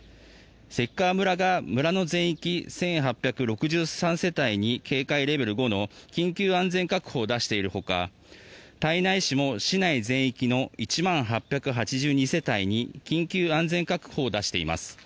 関川村が村の全域１８６３世帯に警戒レベル５の緊急安全確保を出しているほか胎内市も市内全域の１万８８２世帯に緊急安全確保を出しています。